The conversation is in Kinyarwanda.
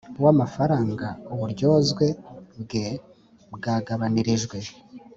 wamafaranga uburyozwe bwe bwagabanirijwe